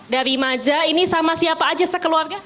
dari maja ini sama siapa aja sekeluarga